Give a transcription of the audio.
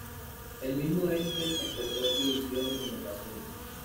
El mismo Einstein expreso su visión en ocasiones.